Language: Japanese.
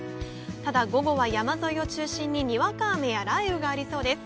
ただ、午後は山沿いを中心ににわか雨や雷雨がありそうです。